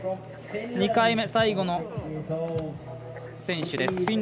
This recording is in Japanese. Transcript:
２回目、最後の選手です。